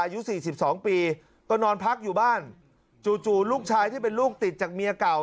อายุ๔๒ปีก็นอนพักอยู่บ้านจู่ลูกชายที่เป็นลูกติดจากเมียเก่า